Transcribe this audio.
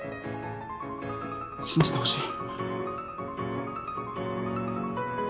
信じてほしい。